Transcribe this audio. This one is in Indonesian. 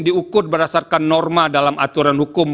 diukur berdasarkan norma dalam aturan hukum